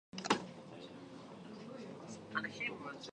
It is currently in use as a residential building with condominiums.